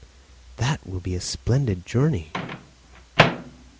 "That will be a splendid journey!"